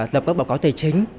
lập các báo cáo tài chính